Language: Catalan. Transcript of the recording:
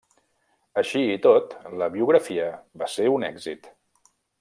Així i tot, la biografia va ser un èxit.